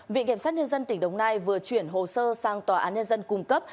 viện kiểm sát nhân dân tỉnh đồng nai vừa chuyển hồ sơ sang tòa án nhân dân cung cấp